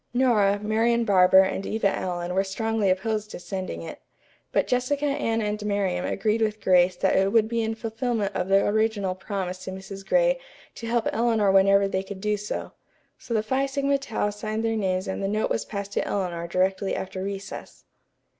Nora, Marian Barber and Eva Allen were strongly opposed to sending it. But Jessica, Anne and Miriam agreed with Grace that it would be in fulfillment of the original promise to Mrs. Gray to help Eleanor whenever they could do so. So the Phi Sigma Tau signed their names and the note was passed to Eleanor directly after recess.